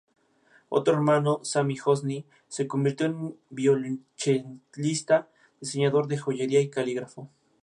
Otro hermano, Sami Hosni se convirtió en una violonchelista, diseñador de joyería y calígrafo.